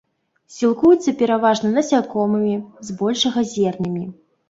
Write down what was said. Сілкуюцца пераважна насякомымі, збольшага зернямі.